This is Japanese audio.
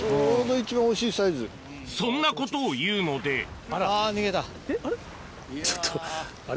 そんなことを言うのでちょっとあれ？